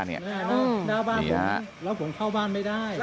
หน้าบ้านผมแล้วผมเข้าบ้านไม่ได้